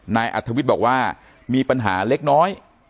นายอัฐวิตบอกว่ามีปัญหาเล็กน้อย